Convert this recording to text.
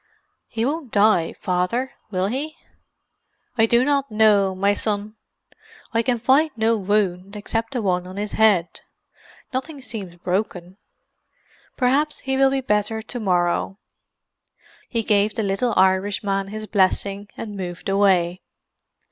"He won't die, Father, will he?" "I do not know, my son. I can find no wound, except the one on his head—nothing seems broken. Perhaps he will be better to morrow." He gave the little Irishman his blessing and moved away.